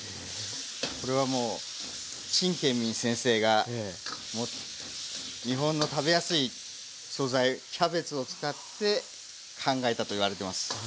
これはもう陳建民先生が日本の食べやすい素材キャベツを使って考えたといわれてます。